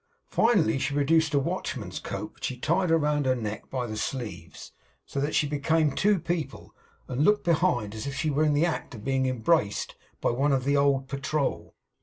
Finally, she produced a watchman's coat which she tied round her neck by the sleeves, so that she become two people; and looked, behind, as if she were in the act of being embraced by one of the old patrol.